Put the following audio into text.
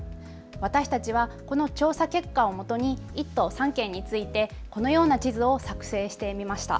私たちはこの調査結果をもとに１都３県についてこのような地図を作成してみました。